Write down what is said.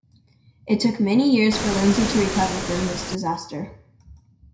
It took many years for Lindsay to recover from this disaster.